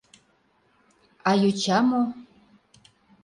А йоча мо?